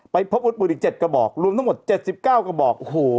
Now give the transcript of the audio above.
ไปพบวุฒิปืนอีกเจ็ดกระบอกรวมทั้งหมดเจ็ดสิบเก้ากระบอกโอ้โห